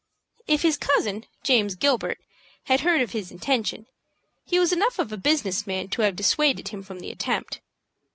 If his cousin, James Gilbert, had heard of his intention, he was enough of a business man to have dissuaded him from the attempt.